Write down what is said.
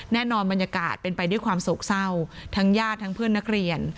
บรรยากาศเป็นไปด้วยความโศกเศร้าทั้งญาติทั้งเพื่อนนักเรียน